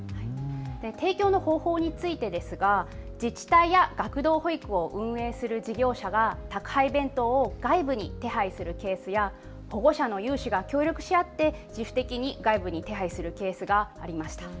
提供の方法についてですが自治体や学童保育を運営する事業者が宅配弁当を外部に手配するケースや保護者の有志が協力し合って自主的に外部に手配するケースがありました。